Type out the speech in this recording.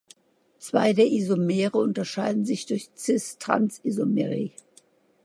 Zwei der Isomere unterscheiden sich durch cis-trans-Isomerie.